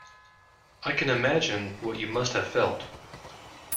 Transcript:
I can imagine what you must have felt.